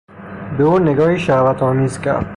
به او نگاهی شهوت آمیز کرد.